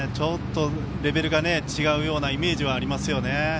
レベルが違うようなイメージはありますよね。